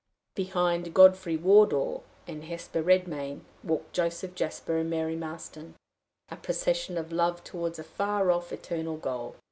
Behind Godfrey Wardour and Hesper Redmain walked Joseph Jasper and Mary Marston, a procession of love toward a far off, eternal goal.